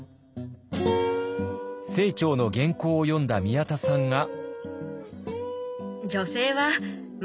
清張の原稿を読んだ宮田さんが。